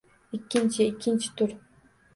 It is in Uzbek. Ikkinchi, ikkinchi tur